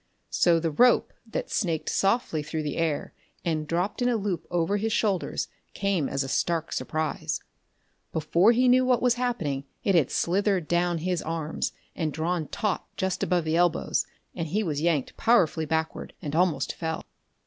So the rope that snaked softly through the air and dropped in a loop over his shoulders came as a stark surprise. Before he knew what was happening it had slithered down over his arms and drawn taut just above the elbows, and he was yanked powerfully backwards and almost fell.